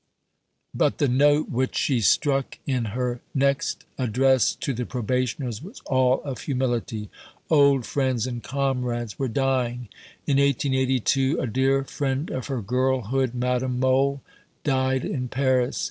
But the note which she struck in her next Address to the Probationers was all of humility. Old friends and comrades were dying. In 1882 a dear friend of her girlhood Madame Mohl died in Paris.